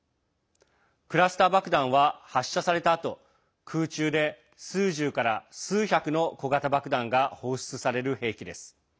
クラスター爆弾は発射されたあと空中で数十から数百の小型爆弾が放出される兵器です。